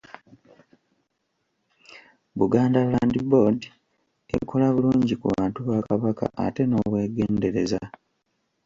Buganda Land Board ekola bulungi ku bantu ba Kabaka ate n’obwegendereza.